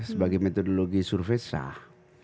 sebagai metode lukis survei sah